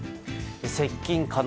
接近可能。